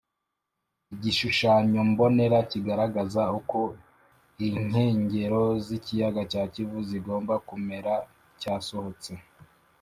Igishushanyombonera kigaragaza uko inkengero z’Ikiyaga cya Kivu zigomba kumera cyasohotse